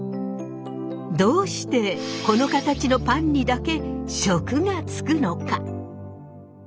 どうしてこの形のパンにだけ食がつくのか？